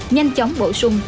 nhanh chóng bổ sung